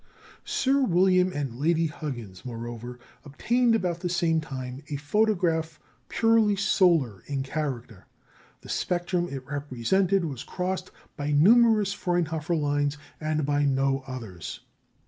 Sir William and Lady Huggins, moreover, obtained about the same time a photograph purely solar in character. The spectrum it represented was crossed by numerous Fraunhofer lines, and by no others.